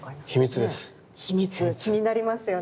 気になりますよね。